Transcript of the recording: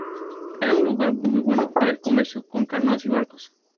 Era un lugar muy bueno para el comercio con canoas y barcos.